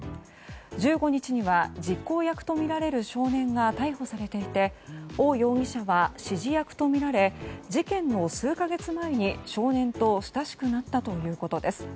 １５日には実行役とみられる少年が逮捕されていてオウ容疑者は指示役とみられ事件の数か月前に少年と親しくなったということです。